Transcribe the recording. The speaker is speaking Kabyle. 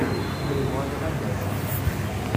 Ad uɣaleɣ ad d-afeɣ.